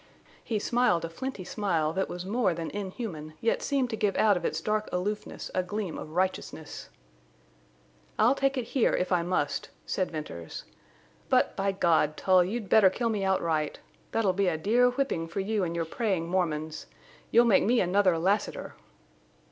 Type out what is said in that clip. He smiled a flinty smile that was more than inhuman, yet seemed to give out of its dark aloofness a gleam of righteousness. "I'll take it here—if I must," said Venters. "But by God!—Tull you'd better kill me outright. That'll be a dear whipping for you and your praying Mormons. You'll make me another Lassiter!"